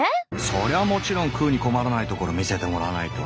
そりゃもちろん食うに困らないところ見せてもらわないと。